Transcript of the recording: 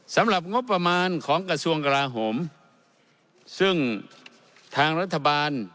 สำหรับงบประมาณของกระทรวงกราโหมซึ่งทางรัฐบาล